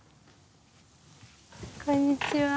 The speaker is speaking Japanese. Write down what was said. こんにちは。